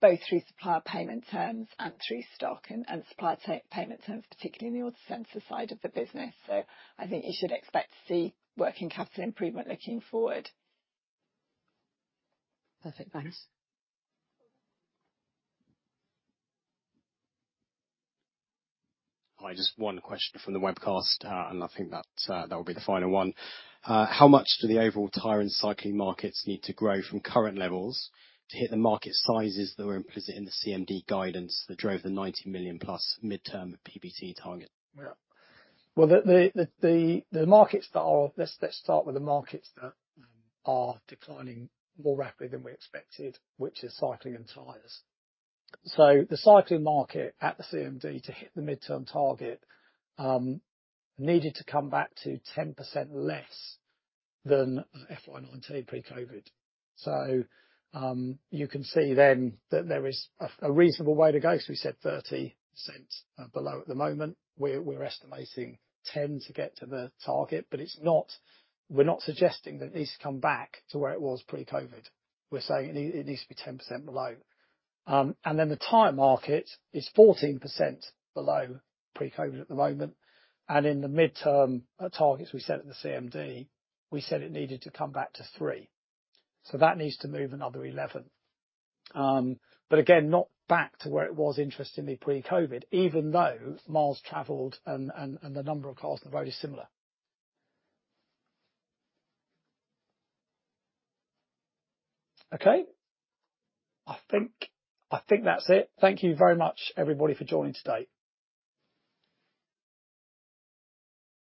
both through supplier payment terms and through stock and supplier payment terms, particularly in the Autocentres side of the business. So, I think you should expect to see working capital improvement looking forward. Perfect. Thanks. Hi, just one question from the webcast, and I think that will be the final one. How much do the overall tyre and cycling markets need to grow from current levels to hit the market sizes that were implicit in the CMD guidance that drove the 90 million+ midterm PBT target? Yeah. Well, the markets that are, let's start with the markets that are declining more rapidly than we expected, which is cycling and tyres. So, the cycling market at the CMD to hit the midterm target needed to come back to 10% less than FY 2019 pre-COVID. So, you can see then that there is a reasonable way to go. So, we said 30% below at the moment. We're estimating 10% to get to the target, but we're not suggesting that it needs to come back to where it was pre-COVID. We're saying it needs to be 10% below. And then the tyre market is 14% below pre-COVID at the moment. And in the midterm targets we set at the CMD, we said it needed to come back to 3%. So, that needs to move another 11%. But again, not back to where it was, interestingly, pre-COVID, even though miles traveled and the number of cars on the road is similar. Okay. I think that's it. Thank you very much, everybody, for joining today.